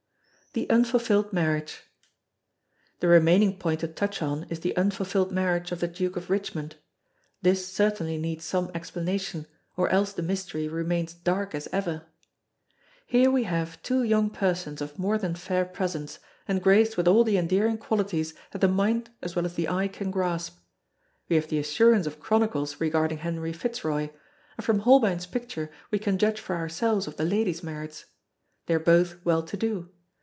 The Unfulfilled Marriage The remaining point to touch on is the unfulfilled marriage of the Duke of Richmond. This certainly needs some explanation, or else the mystery remains dark as ever. Here we have two young persons of more than fair presence, and graced with all the endearing qualities that the mind as well as the eye can grasp. We have the assurance of Chronicles regarding Henry Fitzroy; and from Holbein's picture we can judge for ourselves of the lady's merits. They are both well to do.